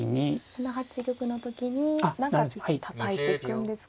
７八玉の時に何かたたいていくんですか？